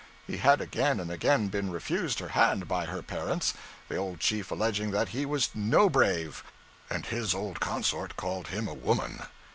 He had again and again been refused her hand by her parents, the old chief alleging that he was no brave, and his old consort called him a woman!